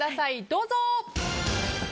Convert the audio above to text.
どうぞ。